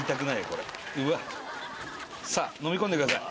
これうわっさあ飲み込んでください